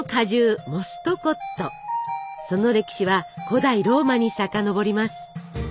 その歴史は古代ローマにさかのぼります。